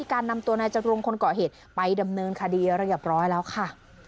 การนำตัวนายจรุงคนเกาะเหตุไปดำเนินคดีระเบียบร้อยแล้วค่ะ